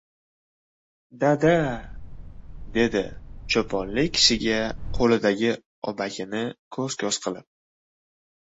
— Dada, — dedi choponli kishiga qo‘lidagi obakini ko‘z- ko‘z qilib.